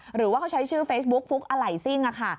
หรือว่าเขาใช้ชื่อเฟซบุ๊กฟุกอะไหล่ซิ่งค่ะ